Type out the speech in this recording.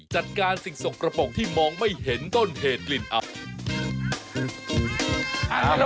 จัดการสิ่งส่งกระป๋องที่มองไม่เห็นต้นเหตุกลิ่นอัศวินิจรรยา